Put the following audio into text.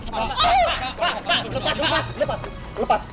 pak lepas lepas